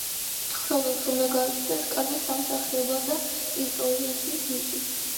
მთხრობელს უნდა გააჩნდეს კარგი სამსახიობო და იმპროვიზაციის ნიჭი.